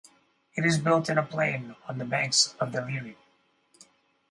It is built in a plain on the banks of the Liri.